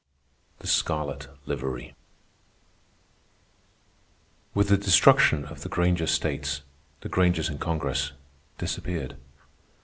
THE SCARLET LIVERY With the destruction of the Granger states, the Grangers in Congress disappeared.